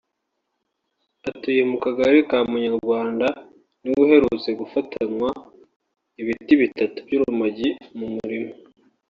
atuye mu kagari ka Munyarwanda niwe uherutse gufatanwa ibiti bitatu by’urumogi mu murima